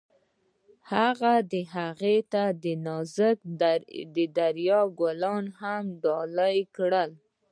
هغه هغې ته د نازک دریا ګلان ډالۍ هم کړل.